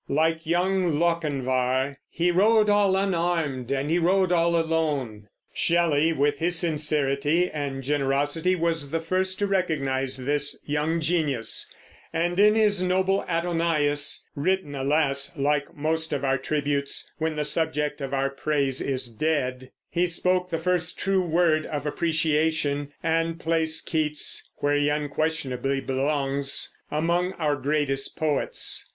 Like young Lochinvar, "he rode all unarmed and he rode all alone." Shelley, with his sincerity and generosity, was the first to recognize the young genius, and in his noble Adonais written, alas, like most of our tributes, when the subject of our praise is dead he spoke the first true word of appreciation, and placed Keats, where he unquestionably belongs, among our greatest poets.